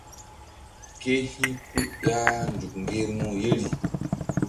Ke hi̧ ku ƴah nzuk ŋgermu yeri.